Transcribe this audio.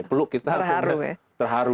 peluk kita terharu